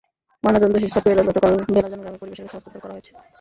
ময়নাতদন্ত শেষে সাব্বিরের লাশ গতকাল ভেলাজান গ্রামে পরিবারের কাছে হস্তান্তর করা হয়েছে।